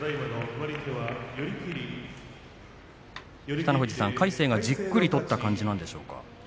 北の富士さん、魁聖がじっくり取った感じなんでしょうか。